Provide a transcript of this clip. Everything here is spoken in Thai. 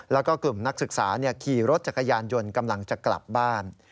แล้วก็กลุ่มนักศึกษาขี่รถจักรยานยนต์กำลังจะกลับบ้าน